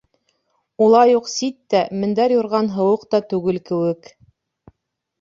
Улай уҡ сит тә, мендәр, юрған һыуыҡ та түгел кеүек.